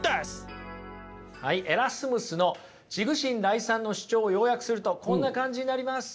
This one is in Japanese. はいエラスムスの「痴愚神礼讃」の主張を要約するとこんな感じになります。